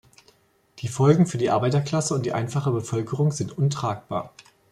Die Folgen für die Arbeiterklasse und die einfache Bevölkerung sind untragbar.